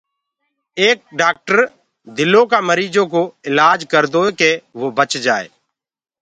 ايڪ ڊآڪٽر دلو ڪآ مريٚجو ڪوُ الآج ڪردوئي ڪي وو بچ جآئي